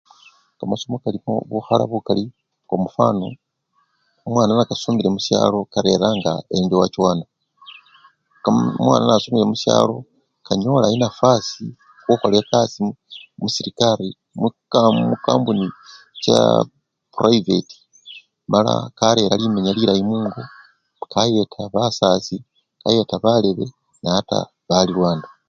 Kamasomo kalikho bukhala bukali kwamufano babana nebasomele mushalo kareranga enchowachowana kaamu! omwana nasomele mushalo kanyola enyafasi khukhola ekasii muserekari muka! mukambuni chaa prayiveti mala karera limenya lilayi mungo, kayeta basasi, kayeta balebe nende ata balilwana.